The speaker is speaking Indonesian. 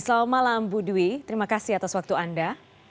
selamat malam bu dwi terima kasih atas waktu anda